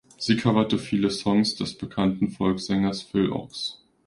Sie coverte viele Songs des bekannten Folksänger Phil Ochs.